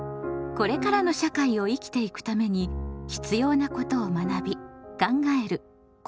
これからの社会を生きていくために必要なことを学び考える「公共」。